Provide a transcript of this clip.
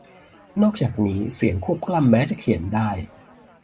นอกจากนี้ เสียงควบกล้ำแม้จะเขียนได้